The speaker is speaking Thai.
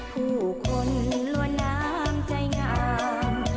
ผู้คนลวนน้ำใจงาม